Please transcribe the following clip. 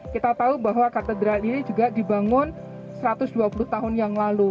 kita tahu bahwa katedral ini juga dibangun satu ratus dua puluh tahun yang lalu